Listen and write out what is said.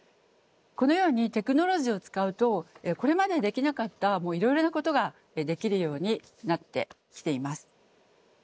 このようにテクノロジーを使うとこれまでできなかったいろいろなことができるようになってきています。